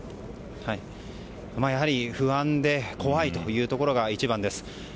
やはり不安で怖いというところが一番です。